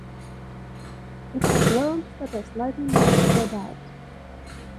It has lobes that are slightly more spread out.